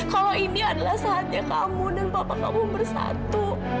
kalau ini adalah saatnya kamu dan bapak kamu bersatu